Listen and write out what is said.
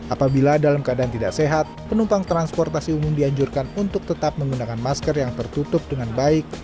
apabila dalam keadaan tidak sehat penumpang transportasi umum dianjurkan untuk tetap menggunakan masker yang tertutup dengan baik